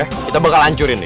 ya kita bakal hancurin dia